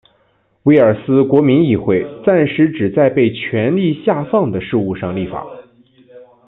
威尔斯国民议会暂时只在被权力下放的事务上立法。